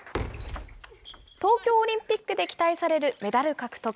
東京オリンピックで期待されるメダル獲得。